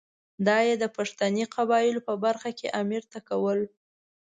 دا یې د پښتني قبایلو په برخه کې امیر ته کول.